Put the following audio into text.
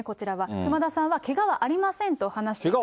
熊田さんはけがはありませんと話していました。